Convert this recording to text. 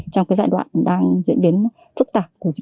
trong cái giai đoạn đang diễn biến phức tạp